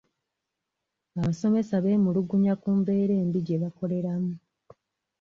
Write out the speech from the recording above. Abasomesa beemulugunya ku mbeera embi gye bakoleramu.